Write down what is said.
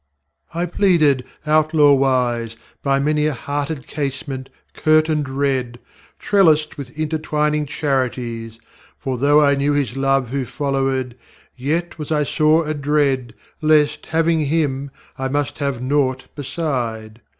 ŌĆÖ I pleaded, outlaw wise, By many a hearted casement, curtained red, Trellised with intertwining charities; (For, though I knew His love Who follow├©d, Yet was I sore adread Lest, having Him, I must have naught beside).